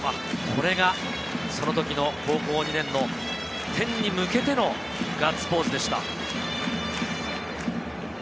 これがその時の、高校２年の天に向けてのガッツポーズでした。